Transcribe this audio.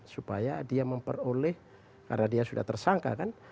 supaya dia memperoleh karena dia sudah tersangka kan